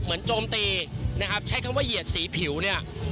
โจมตีนะครับใช้คำว่าเหยียดสีผิวเนี่ย